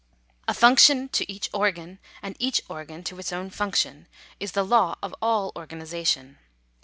§ I A function to each organ, and each organ to its own function, is the law of all organization.